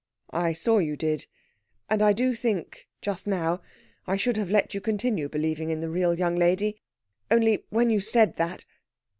"I saw you did. And I do think just now I should have let you continue believing in the real young lady ... only when you said that...."